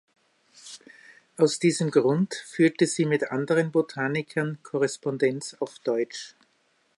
Aus diesem Grund führte sie mit anderen Botanikern Korrespondenz auf Deutsch.